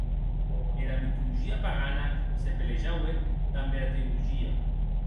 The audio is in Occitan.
Era mitologia pagana se pelejaue damb era teologia.